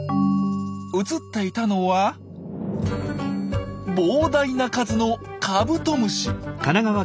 映っていたのは膨大な数のカブトムシ。